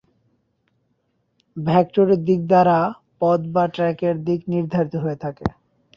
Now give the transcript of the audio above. ভেক্টরের দিক দ্বারা পথ বা ট্র্যাকের দিক নির্ধারিত হয়ে থাকে।